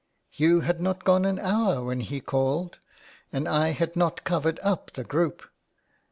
" You had not gone an hour when he called, and I had not covered up the group.